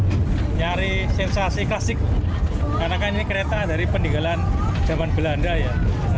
saya nyari sensasi klasik karena kan ini kereta dari peninggalan zaman belanda ya